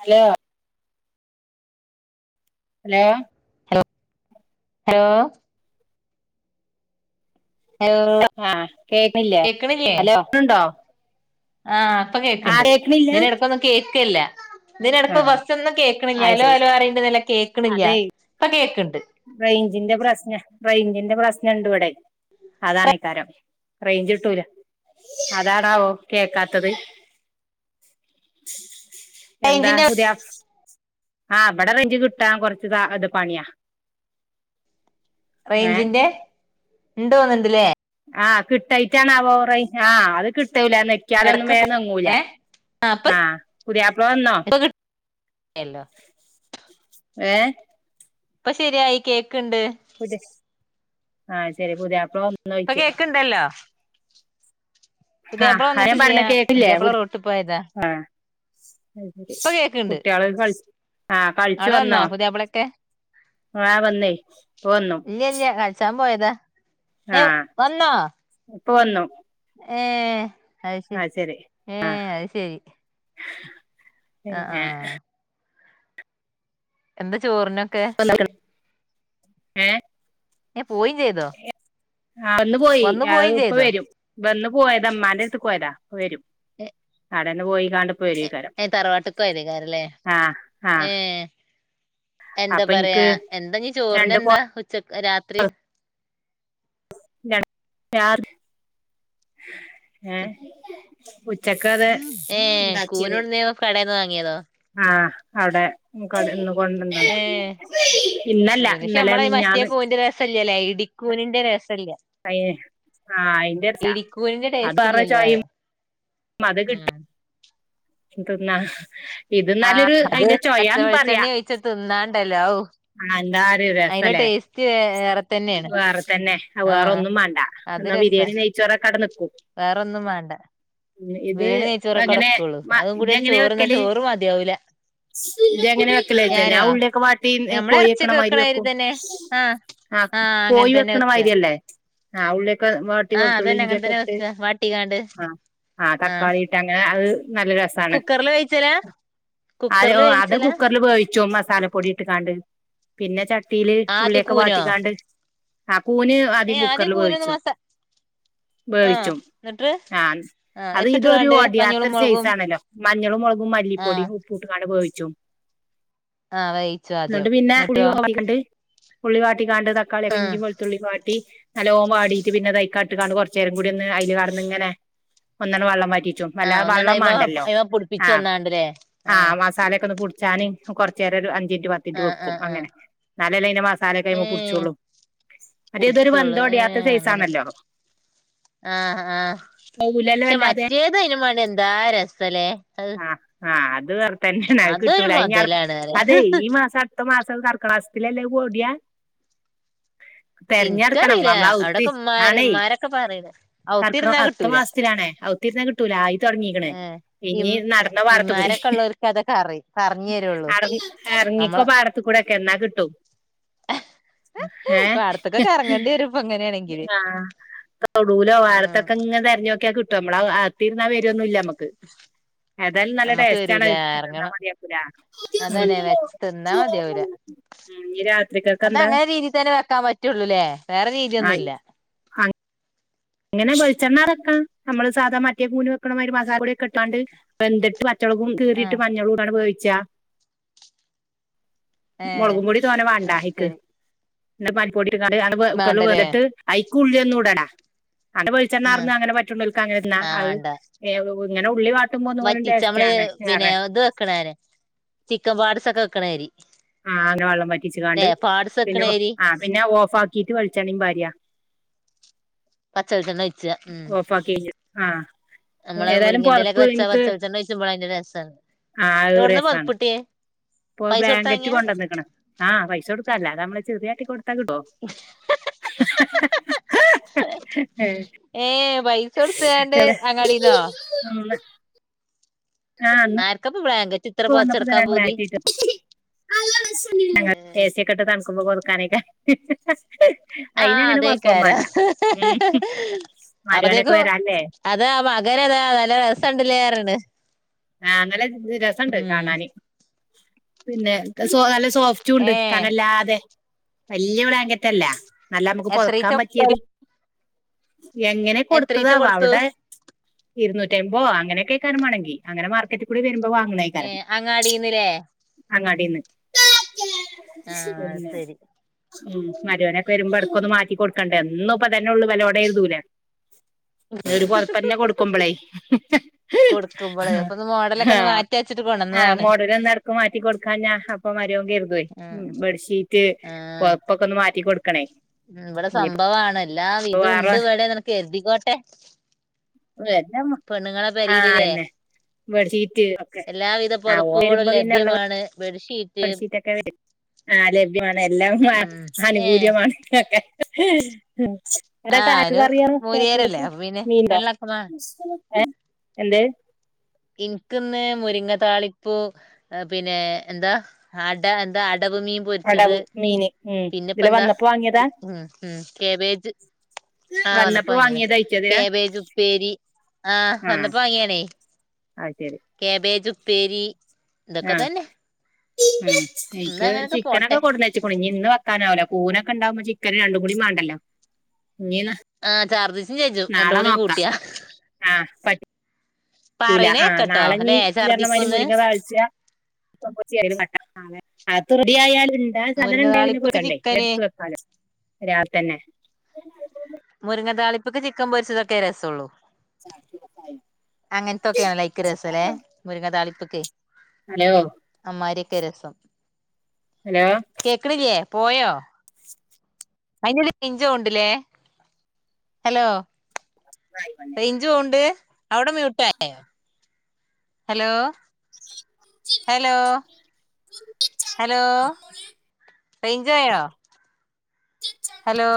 Hello hello hello hello hello ആഹ കേക്കില്ലേ hello കേൾക്കുന്നുണ്ടോ ആഹ അപ്പൊ കേക്കണ്ട് പിന്നെ എടപ്പൊന്നും കേൾക്കല്ല ഇതിടക്ക ആഹ് ബസ്സ ഒന്നും അത് കേക്കണില്ലലോ ശരി അലോ അറിയണ്ട നല്ല കേക്കണില്ല അതെ അപ്പൊ കേൾക്കണ്ട് റേഞ്ചിന്റെ പ്രശ്ന റേഞ്ചിന്റെ പ്രശ്നുണ്ട് ഇവിടെ അതാണേക്കാരം റെയിഞ്ച് കിട്ടൂല അതാണോ കേക്കാത്തത് അ എന്താ പുതിയ ആഹ് അവിടെ റെയിഞ്ച് കിട്ടാൻ കുറച്ച് ഇത് പണിയാ ഏഹ് റേഞ്ചിന്റെ ഉണ്ടോന്നണ്ടല്ലേ ആഹ് കിട്ടയിറ്റാാണ് അവ ആഹ് അത് കിട്ടൂല നക്കാലൊന്നും ഇടക്ക് പോ വേന്നങ്ങൂല ഏ ആ അപ്പൊ ആഹ പുതിയാപ്ല വന്നോ അല്ല ഏ ഇപ്പൊ ശരിയായി കേക്ക് പുതിയ ആഹ ശരി പുജയ അപ്പ ഇപ്പൊ കേക്ക ഇണ്ടല്ലോ ആഹ അഞൻ വന്നിട്ടില്ല പറഞ്ഞ കേക്കില്ലേ ആഹ പുതിയാപ്പള റോട്ടിൽ പോയതാ അ ശരി ഇപ്പൊ കേക്കണ്ട് കുട്ടികള് ക ആഹ കഴിച്ചു അവിടെ വന്നോ പുതിയാപ്പളൊക്കെ ആ വന്നേ പോന്നു ഇല്ല ഇല്ല കളിച്ചാൻ പോയതാ ഏ വന്നോ പോന്നു ഏ അത് ശരി ഏ അത് ശരി ആഹ പിന്നെ ആഹ് എന്താ ചോറിനൊക്കെ ഉഹ പോയിയും ചെയ്തോ ആ ഒന്ന് പോയി വന്നു അത് പോയിം ഇപ്പ ചെയ്തോ വരും ഇ ഒന്ന് പോയത് അമമാന്റെ അടുത്ത് പോയതാ വരും [unintelligible] [inaudible] കടന്ന് പോയിക്ക അ തറവാട്ടക്കയത്ക്കാരല്ലേ ആഹ് ആഹ് ഏ എന്താ അപ്പൊ ഇൻക്ക് പറയാ എന്താ നീ ചോറിന രണ്ട് കോ എന്താ ഉച്ചക്ക് രാത്രി [unintelligible] [inaudible] ഉച്ചക്ക അത് ഏ ഉണ്ടാക്കിയത് കൂനോട്ന്നേ കടേന്ന് വാങ്ങിയതോ ആഹ അവിടെ കൊടുന്ന് കൊണ്ട് ണ്ടാ ക്കി.. കൂൺ ഒക്കെ നമ്മളെ മറ്റേ കൂനി ന്റെ രസല്യ ലെ. ഇടി ക്കൂ നിന്റെ രസം അയേ ആ... അയ്ന്റല്ല ഇടിക്കൂനിന്റെ അത് ടേസ്റ്റ് വേറെരു ഇല്ലല്ലോ പറയാ ചോയിമ് മത കിട്ടി ഉം തിന്നാ ഇത് ആഹ ന്നാലൊരു അത് അയിന്റെ ചൊയാന്ന് പറയാ പച്ചവളിച്ചെണ്ണി ഒഴിച്ച തിന്നാണ്ടല്ലോ ആ... എന്താഒരു അയിന്റെ രസല്ലേ. ടേസ്റ്റ് വേറെ തന്നേണ് വേറെ തന്നെ ആ വേറെ ആഹ് ഒന്നും വേണ്ട ബരിയാണി നെയ് ചോറ് ഒക്കെ ഔടെ നിക്കും വേറോന്നും വേണ്ട ഉം ഇത് ബിരിയാണി നെയ്ച്ചോറ അങ്ങനെ കടക്കള്ളു മ അതും കൂടിയാണ് ചോറ് ന്നാ ചോറ് മതിയാവല ഇത എങ്ങനെ വെക്കലച്ച ഞാൻ ഉള്ളിലൊക്കെ വാട്ടി ഞമ്മളെ കോഴി എറച്ചിയൊക്കെ വെക്കണമാതിരി വെക്കും തന്നെ ആഹ് ആഹ ആഹ് അങ്ങനെ കോഴി തന്നെ വെക്കണ വെക്കുക മാരിയല്ലേ ആ ഉള്ളി [inaudible] ആ.. വാട്ടി ആഹ് കൊളത്തുള്ളൂ അതന്നെ അങ്ങനെ ഇഞ്ചിയൊക്കെ തന്നെ ഇട്ട് വെക്കുക വാട്ടിക്കാണ്ട് ആ ആഹ് തക്കാളി ഇട്ട അങ്ങനെ അത് നല്ല രസമാണ് കുക്കറില് വേവിച്ചലാ അ കുക്കറില് അത് വേവിച്ചലാ കുക്കറിൽ പോേവിച്ചു ചപ്പും മസാല പൊടി ഇട്ടക്കാണ്ട് പിന്നെ ചട്ടിയില് ആദ്യം ഉള്ളിയൊക്കെ കൂനോ വാട്ടിക്കാണ്ട്. ആ... കൂന് ആദ്യം ഏഹ് കുക്കറിൽ കൂനൊന്ന് വേവിച്ചും. മസാ ആഹ് വേവിച്ചു.... എന്നിട്ട് ആ ആഹ് അത് ഇതൊരു എത്തിട്ട്കാണ്ട് മഞ്ഞളും ഒടിയാത്തൊരു മുളകും സയ്‌സ് ആണല്ലോ. മഞ്ഞളും മുളകും ആഹ് മല്ലിപ്പൊടിയു. ഉപ്പൂട്ട് കാണ പോ ച്ചും... ആഹ് വേവിച്ചു ആദ്യം എന്നിട്ട് പിന്നെ കുടിൽ എന്നിട്ടോ [unintelligible] ഉുള്ളി വാട്ടിക്കാണ്ട് തക്കളി ആഹ് ഇഞ്ചി വെളുത്തുള്ളി വാട്ടി... [unintelligible] നല്ലോം വാടിയിട്ട് പിന്നെതയ്കാണ്ട് ഇട്ട് കാണ്ട് കുറച് നേരം കൂടി ഒന്ന് അയിൽ കാണ്ട് ഇങ്ങനെ ഒന്നാണ്ട് വെള്ളം വറ്റി..... ച്ചും ആഹ് വല്ലാതെ ഒന്നാണ്ട് വെള്ളം അയ്മ മാണ്ടല്ലോ. അയ്മ പുടിപ്പിച്ച് ആഹ... ഒന്നാണ്ട്ല്ലേ ആഹ് മസാലൊക്കെ ഒന്ന് പുട്ച്ചാന് കുറച്ചു നേരം ഒരു അഞ്ചിൻറ്റ് പത്തിൻ റ്റ് ആഹ് ആഹ് ആഹ് വെക്കുംഅങ്ങനെ. ന്നാലല്ലേ അയ്ന്റെ മസാല ഏ അയിമേ പുച്ചോള്ളൂ എടി അതൊരു കുടിച്ചോളൂ വെന്തോടിയാത്ത സെയ്സാണല്ലോ. ആഹ ആഹ പക്ഷെ വല്ലാതെ മറ്റേത് അയ്നു മാണ്ടി എന്താ രസല്ലേ അഹ് ആഹ് ആഹ് അത് വേറുതന്നെണ് അത് അതൊരു കിട്ടൂല. അ തന്നി മൊതലാണ് പറയാ അതെ ഈ മാസം അടുത്ത മാസം സർക്കാർ... [unintelligible] തെരഞ്ഞെടുക്കണം ഇൻക്കറിയില്ല നമ്മള ഔത്തിരി.. അവിടൊക്കെ ഉമ്മാര് ആണേ... ഉമ്മാരൊക്കെ പറയണ് നടെക്കണം.. ഔത്തിരുന്നാ കിട്ടൂല അടുത്തമാസ... അതാണ്. ഔത്തിരുന്ന കിട്ടൂല ആയി തുൊടങ്ങീക്ണ് ഏ ഇം ഇനി നടന്ന പാടത്തുകൂടി ഇമ്മാരൊക്കെ ഉള്ളോർക്ക് അതൊക്കെ അറി പറഞ്ഞു തരുള്ളൂ അർ ഇറങ്ങിക്കോ പാടത്തു കൂടെ ഒക്കെ എന്നാ കിട്ടും. ഹ്ഹ യേ... ഹ്ഹ ഇപ്പൊ ഇങ്ങനെയാണെങ്കില് ആ തൊടൂലോ ആഹ് പാടത്തൊക്കെ ഇങ്ങനെ തെരഞ്ഞോക്കി കിട്ടും നമ്മള് അകത്തിരുന്നാ വരുന്നില്ല നമ്മക്ക് ഏതായാലും നല്ല ശബ്ദം ക്ലിയർ അല്ല [inaudible] നമ്മുക്ക് ടേസ്റ്റ് ആണ് വരൂല തിന്നാ ഇറങ്ങണം മതിയാക്കൂല അതന്നെ വെച്ച് തിന്നാ ഉം മതിയാവൂല ഉം ഇനി രാത്രിക്കൊക്കെ അത എന്താ അങ്ങനെ രീതി തന്നെ വെക്കാൻ പറ്റുള്ളൂലേ വേറെ രീതിയൊന്നുംല്ല ആയ് അങ്ങനെ വെളിച്ചെണ്ണാ പാർന്ന് വെക്കാം നമ്മള് സാധാ മറ്റെ കൂൺ വെക്കണ് മാതിരി മസാല പൊടി ഒക്കെ ഇട്ടാണ്ട് വെന്ത്ട്ട്മറ്റേ... പച്ചമുളകും കീറിട്ട് ആഹ് മഞ്ഞളുംടാണ് വേവിച്ച ഏഹ് മുളകും പൊടി തോന്ന അത് വേണ്ടഅയ്ക്ക് ശരി മല്ലിപ്പൊടി.... ഇട്ടുകാണ്ട് കുക്കറിൽ വേണ്ടല്ലേ വെന്തിട്ട് ഐക്കുള്ളിഒന്നൂടണ്ടാ അവിടെ ആഹ് വെളിച്ചണ്ണാർന്ന് അങ്ങനെ പറ്റുനോല്ക്ക് അങ്ങനെ തിന്നാ ആഹ് അത് വേണ്ട ഇങ്ങനെ ഉള്ളി വാട്ടുമ്പം ഒന്നും കൂടി വറ്റിച്ച് ടേസ്റ്റ് നമ്മള് ആണ് പിന്നെ ഏറെ ഇത് വെക്കണന് ചിക്കൻ പാട്സൊക്കെ വെക്കണമാരി ആ അങ്ങനെ വെള്ളം പറ്റിച്ച് കാണ്ട് പിന്നെ വെക്കണേരി ആ പിന്നെ ഓഫ് ആക്കീട്ട് വെളിച്ചെണേയും പാര്യ പച്ച വെളിച്ചെണ്ണ ഒഴിച്ച്... ഉം ഓഫ് ആക്കി കഴിഞ്ഞിട്ട് ആ നമ്മളെ ഏതായാലും മുരിങ്ങെന്റെ ഇലക്കെ പൊതപ്പ് വെച്ച ഇൻക്ക് പച്ച വെളിച്ചെണ്ണ ഒഴിചുമ്പളാ അതിന്റെ രസം ആ അത് രസാണ് ഇപ്പൊ പൈസ കൊടുത്ത് ബ്ലാങ്കറ്റ് വാങ്ങിയാ കൊണ്ടന്ന്ക്ക്ണ് ആഹ് പൈസ കൊടുക്കാ അല്ലാതെ നമ്മള് ചെറിയാട്ടി കൊടുത്താ കിട്ടോ ഏഹ് ഏഹ് പൈസ കൊടുത്താണ്ട് അങ്ങാടിന്നോ ആഹ് ഇന്ന് ആർക്കപ്പ ബ്ലാങ്കറ്റ് ഇത്ര ഇപ്പ വന്നപ്പോ പൊതച്ചെടുക്കാൻ പൂതി ഏഹ് ഏ സി ഒക്കെ ഇട്ട് തണുക്കുമ്പോ കൊടുക്കാനേക്കാ ആഹ് അയിനങ്ങനെ കൊഴപ്പൊന്നും അതേക്കാരം വേണ്ട ഉം മരോനൊക്കെ അപ്പത്തേക്കും വരാല്ലേ അതാ മകനതാ നല്ല രസണ്ടല്ലേ പറയണ് ആഹ് നല്ല രസണ്ട് ഉം കാണാന് പിന്നെ സോ നല്ല സോഫ്റ്റും ഉണ്ട് ഏഹ് കനല്ലാതെ വല്യ ബ്ലാങ്കറ്റ് അല്ല നല്ല നമുക്ക് പൊതക്കാൻ എത്രീച്ച പറ്റിയത് എങ്ങനെ എത്രീച്ച കൊടുത്തതാവാ കൊടുത്തു അവിടെ ഇരുന്നൂറ്റമ്പോ അങ്ങനെയൊക്കെക്കാരം മാണെങ്കി അങ്ങനെ മാർക്കറ്റിൽ കൂടി വരുമ്പോ വാങ്ങണേക്കാരം ഏ അങ്ങാടിന്നില്ലേ അങ്ങാടിന്ന് ആഹ് പിന്നെ ശരി ഉം മരുവനൊക്കെ വരുമ്പോ ഇടക്കൊന്ന് മാറ്റി കൊടുക്കണ്ടേ എന്നും ഇപ്പ തന്നെ ഉള്ളു വിലോടെ എഴുതൂല ഒരു പൊതപ്പന്നെ കൊടുക്കുമ്പളേ കൊടുക്കുമ്പോള് അപ്പൊ ഒന്ന് മോഡലൊക്കെ ഒന്ന് ആഹ് മാറ്റി വെച്ചിട്ട് ആഹ് കൊണ്ടുവന്നതാണ് മോഡല് ഒന്ന് ഇടക്ക് മാറ്റി കൊടുക്കാഞ്ഞാ അപ്പൊ മരോൻ കരുതുവേ ഉം ഉം ബെഡ്ഷീറ്റ് ആഹ് പൊതപ്പൊക്കെ ഒന്ന് മാറ്റി കൊടുക്കണേ ഇവിടെ ഇനിയിപ്പോ സംഭവമാണ് എല്ലാവിധം വേറെ ഉണ്ട് ഇവിടെ നിനക്ക് കരുതിക്കോട്ടെ പെണ്ണുങ്ങളെ ആഹ് പെരയിലില്ലേ അതന്നെ ബെഡ്ഷീറ്റ് ഒക്കെ എല്ലാവിധ ആഹ് ഓൻ പുതപ്പുകളും വരുമ്പോ പിന്നെ ഉള്ള ലഭ്യമാണ് ബെഡ്ഷീറ്റ് ബെഡ്ഷീറ്റ് ഒക്കെ ആഹ് ലഭ്യമാണ് എല്ലാം ഉം ഏഹ് അനുകൂല്യമാണ് ഒക്കെ എടാ ആഹ് കാക്ക ഒരു കറിയാ മൂലിയേരല്ലേ രാത്രിക്ക് അപ്പൊ പിന്നെ മീൻണ്ടോ വെള്ളക്കമാ ഏ എന്ത് ഇനിക്കിന്ന് മുരിങ്ങ താളിപ്പൂ പിന്നെ എന്താ അട എന്താ അടവ് മീൻ പൊരിച്ചത് പടവ് മീന് ഉം പിന്നെപ്പ ഇതിലെ എന്താ വന്നപ്പോ വാങ്ങിയതാ ഉം ഉം കേബേജ് ആഹ് വന്നപ്പോ വന്നപ്പോ വാങ്ങിയതാ വാങ്ങിയതായിറ്റതില കേബേജ് ഉപ്പേരി ആഹ് ആഹ് വന്നപ്പോ വാങ്ങിയാണേ അത് ശരി കേബേജ് ഉപ്പേരി ഇതൊക്കെ ആഹ് തന്നെ ഉം ഇന്ന് എനിക്ക് അങ്ങനെയൊക്കെ പോട്ടെ ചിക്കനൊക്കെ കൊടുന്നച്ചക്കണു ഇനി ഇന്ന് വെക്കാനാവൂല കൂനൊക്കെ ഉണ്ടാവുമ്പോ ചിക്കന് രണ്ടും കൂടി മാണ്ടല്ലോ ഇനി ആഹ് ഛർദിച്ചും ചെജും രണ്ടും നാളെ കൂടിയും നോക്കാം കൂട്ടിയാ ആഹ് പറ്റൂല ആഹ് പറയണേക്കട്ടോ നാളെ ഇനി അല്ലെ ഇജ്ജർഞ്ഞമാതിരി ഛർദിക്കുന്ന് മുരിങ്ങ താളിച്ച കട്ട നാളെ അത് റെഡി ആയാൽ ഇണ്ടാ സാധനം മുരിങ്ങ ഇണ്ടായ പിന്നെ താളിപ്പ്ക്ക് പോരണ്ടേ ചിക്കന് എടുത്ത് വെക്കാലോ രാവിലെ തന്നെ മുരിങ്ങ താളിപ്പ്ക്ക് ചിക്കൻ പൊരിച്ചതൊക്കെ രസള്ളൂ അങ്ങനത്തൊക്കെയാണല്ലേ അയ്ക്ക് രസല്ലേ മുരിങ്ങ താളിപ്പ്ക്ക് ഹലോ അമ്മാരിയൊക്കെ രസം കേക്കണില്ലേ പോയോ അയിന്റെ എടേല് റേഞ്ച് പോവ്ണ്ട്ല്ലേ ഹലോ ഹലോ റേഞ്ച് പോവ്ണ്ട് അവിടെ മ്യൂട്ടോ ഹലോ ഹലോ ഹലോ റേഞ്ച് പോയോ ഹലോ